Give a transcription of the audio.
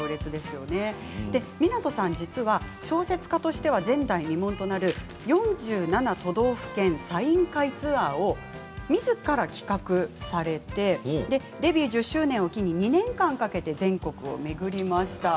実は、小説家としては前代未聞となる４７都道府県サイン会ツアーをみずから企画されてデビュー１０周年を記念に２年間かけて全国を巡りました。